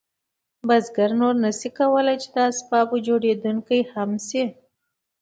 بزګر نور نشو کولی چې هم د اسبابو جوړونکی شي.